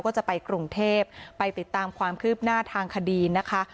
ก็จะไปกรุงเทพไปติดตามความคืบหน้าทางคดีนะคะ